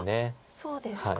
そうですか。